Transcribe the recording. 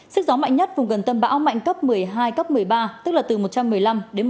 sức gió mạnh nhất vùng gần tâm bão mạnh cấp một mươi hai cấp một mươi ba tức là từ một trăm một mươi năm đến một trăm linh